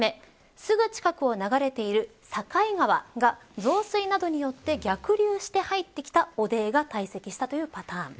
すぐ近くを流れている境川が増水などによって逆流して入ってきた汚泥が堆積したというパターン。